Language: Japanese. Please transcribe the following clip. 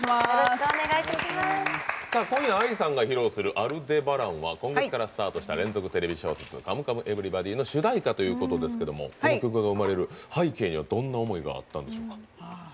今夜、ＡＩさんが披露する「アルデバラン」は今月からスタートした連続テレビ小説「カムカムエヴリバディ」の主題歌ということですけどもこの曲が生まれる背景にはどんな思いがあったんでしょうか。